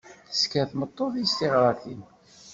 Tesker tmeṭṭut-is tiɣratin.